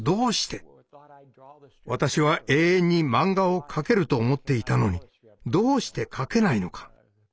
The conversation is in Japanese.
私は永遠にマンガを描けると思っていたのにどうして描けないのか？